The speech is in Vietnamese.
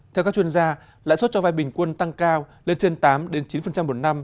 theo các chuyên gia lãi suất cho vai bình quân tăng cao lên trên tám chín một năm